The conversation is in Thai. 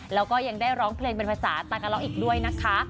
แล้วก็ยังได้ร้องเพลงเป็นภาษาตากะเลาะอีกด้วยนะคะ